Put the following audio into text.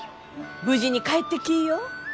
無事に帰ってきいよ。